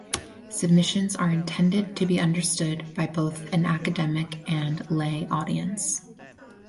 Submissions are intended to be understood by both an academic and lay audience.